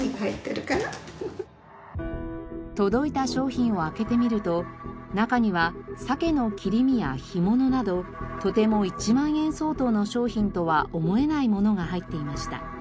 届いた商品を開けてみると中にはサケの切り身や干物などとても１万円相当の商品とは思えないものが入っていました。